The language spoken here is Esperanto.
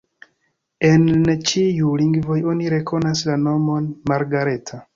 En ĉiuj lingvoj oni rekonas la nomon Margareta.